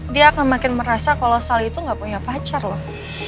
dia akan makin merasa kalau sal itu nggak punya pacar loh